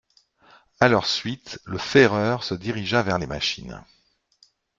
A leur suite, le ferreur se dirigea vers les machines.